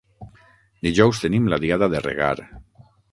Dijous tenim la diada de regar.